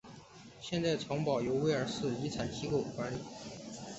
现在城堡由威尔斯遗产机构管理。